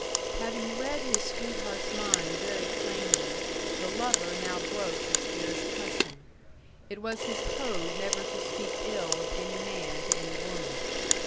Having read his sweetheart's mind very plainly, the lover now broke his dearest custom. It was his code never to speak ill of any man to any woman.